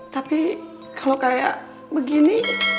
tapi kalau kayak begini